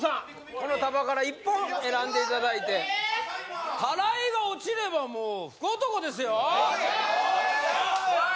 この束から１本選んでいただいてタライが落ちればもう福男ですよよっしゃっ！